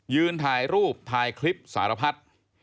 ยืนถ่ายรูปถ่ายคลิปสารพัด